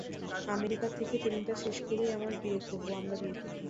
America থেকে ট্রেনিংটা শেষ করেই আমরা বিয়ে করব।